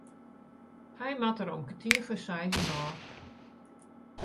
Hy moat der om kertier foar seizen ôf.